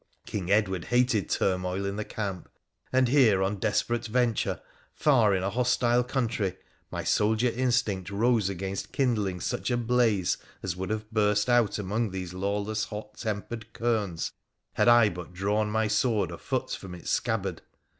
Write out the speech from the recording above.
King Edward hated turmoil in the camp, and here on desperate venture, far in a hostile country, my soldier instinct rose against kindling such a blaze as would have burst out among these lawless hot tempered kerns, had I but drawn my sword a foot from its scabbard.